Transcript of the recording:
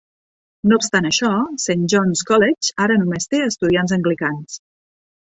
No obstant això, Saint John's College ara només té estudiants anglicans.